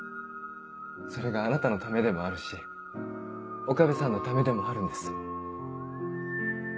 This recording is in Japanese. それがあなたのためでもあるし岡部さんのためでもあるんです。